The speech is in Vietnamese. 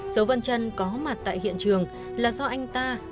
dấu văn chân có mặt tại hiện trường là do anh ta